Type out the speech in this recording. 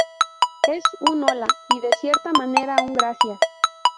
Es un hola, y de cierta manera un gracias".